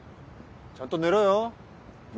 ちゃんと寝ろよ名探偵！